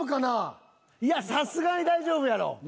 いやさすがに大丈夫やろ。